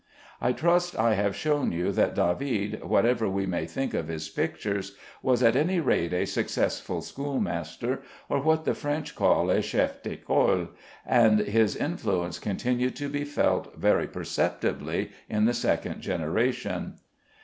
I trust I have shown you that David, whatever we may think of his pictures, was at any rate a successful schoolmaster, or what the French call a chef d'école, and his influence continued to be felt very perceptibly in the second generation.